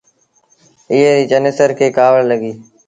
ايئي تي چنيسر کي ڪآوڙ لڳيٚ۔